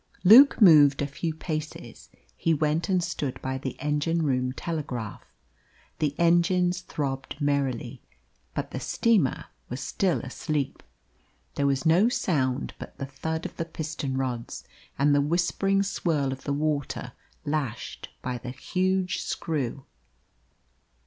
Luke moved a few paces. He went and stood by the engine room telegraph. The engines throbbed merrily, but the steamer was still asleep. There was no sound but the thud of the piston rods and the whispering swirl of the water lashed by the huge screw.